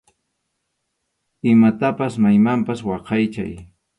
Imatapas maymanpas waqaychay.